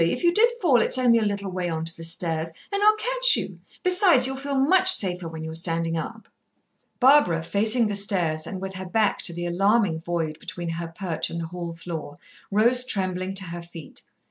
If you did fall it's only a little way on to the stairs, and I'll catch you. Besides, you'll feel much safer when you're standing up." Barbara, facing the stairs, and with her back to the alarming void between her perch and the hall floor, rose trembling to her feet.